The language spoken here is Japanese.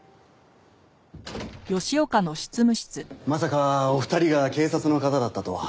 まさかお二人が警察の方だったとは。